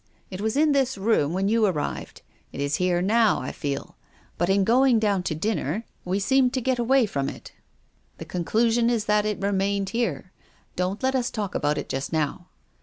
It was in this room when you arrived. It is here now — I feel. IJut, in goin^ down to dinner, we seemed to get away from it. 310 TONGUES OF CONSCIENCE. The conclusion is that it remained here. Don't let us talk about it just now."